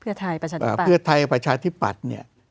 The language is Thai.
เพื่อไทยประชาธิปัตย์เพื่อไทยประชาธิปัตย์เนี่ย